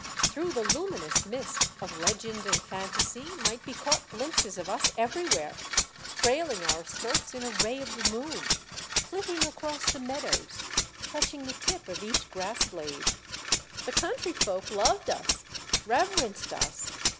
Through the luminous mist of legend and fantasy might be caught glimpses of us everywhere, trailing our skirts in a ray of the moon, flitting across the meadows, touching the tip of each grass blade. The country folk loved us, reverenced us.